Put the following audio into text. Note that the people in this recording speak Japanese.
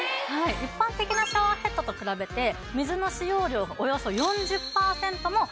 一般的なシャワーヘッドと比べて水の使用量がおよそ４０パーセントも節水できるんです。